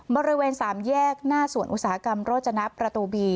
บริเวณ๓แยกหน้าสวนอุตสาหกรรมโรจนับประตูบี